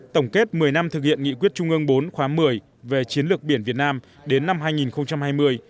tổng kết một mươi năm thực hiện nghị quyết trung ương bốn khóa một mươi về chiến lược biển việt nam đến năm hai nghìn hai mươi